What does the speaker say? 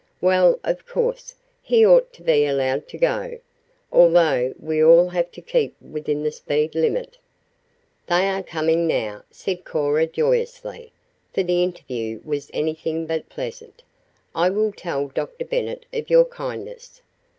"Well, of course, he ought to be allowed to go although we all have to keep within the speed limit." "They are coming now," said Cora joyously, for the interview was anything but pleasant. "I will tell Dr. Bennet of your kindness."